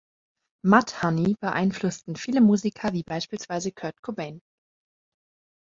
Mudhoney beeinflussten viele Musiker wie beispielsweise Kurt Cobain.